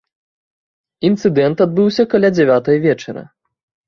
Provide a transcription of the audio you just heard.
Інцыдэнт адбыўся каля дзявятай вечара.